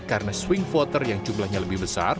karena swing voter yang jumlahnya lebih besar